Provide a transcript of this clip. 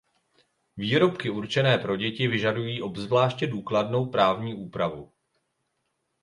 Výrobky určené pro děti vyžadují obzvláště důkladnou právní úpravu.